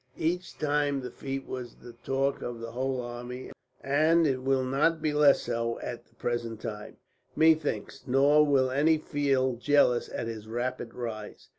Each time the feat was the talk of the whole army; and it will not be less so at the present time, methinks, nor will any feel jealous at his rapid rise.'"